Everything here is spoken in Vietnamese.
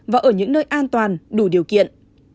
và ở những nơi an toàn đủ điều kiện